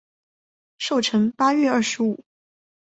寿辰八月二十五。